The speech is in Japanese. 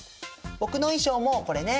僕の衣装もこれね